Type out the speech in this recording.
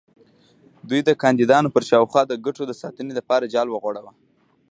دوی د کاندیدانو پر شاوخوا د ګټو د ساتنې لپاره جال وغوړاوه.